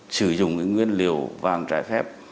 sử dụng nguyên liệu vàng trải phép